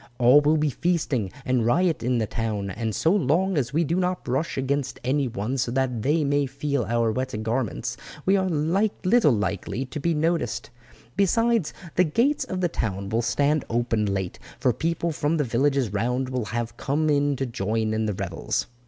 All will be feasting and riot in the town, and so long as we do not brush against any one so that they may feel our wet garments we are little likely to be noticed; besides, the gates of the town will stand open late, for people from the villages round will have come in to join in the revels."